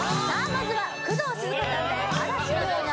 まずは工藤静香さんで「嵐の素顔」